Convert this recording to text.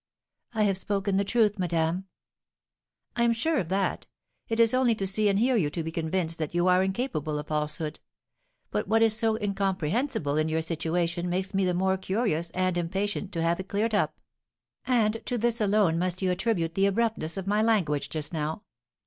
"I have spoken the truth, madame " "I am sure of that; it is only to see and hear you to be convinced that you are incapable of falsehood; but what is so incomprehensible in your situation makes me the more curious and impatient to have it cleared up; and to this alone must you attribute the abruptness of my language just now.